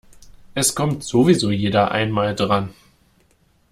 Es kommt sowieso jeder einmal dran.